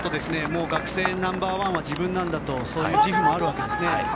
もう学生ナンバーワンは自分なんだとそういう自負もあるわけですね。